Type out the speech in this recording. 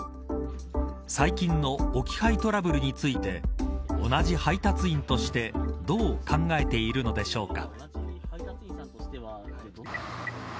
最近の置き配トラブルについて同じ配達員としてどう考えているのでしょうか。